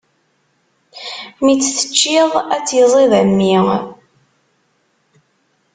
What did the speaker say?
Mi tt-teččiḍ, ad tt-iẓid a mmi.